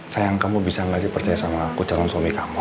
sayang kamu bisa nggak sih percaya sama aku calon suami kamu